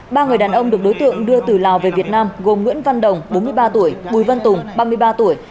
ba người đàn ông được đối tượng đưa từ lào về việt nam gồm nguyễn văn đồng bốn mươi ba tuổi bùi văn tùng ba mươi ba tuổi